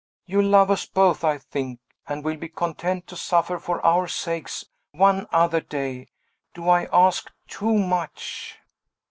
"You love us both, I think, and will be content to suffer for our sakes, one other day. Do I ask too much?"